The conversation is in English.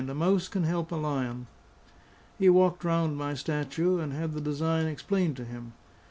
A mouse can help a lion." He walked round my statue and had the design explained to him.